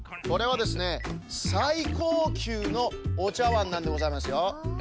これはですねさいこうきゅうのおちゃわんなんでございますよ。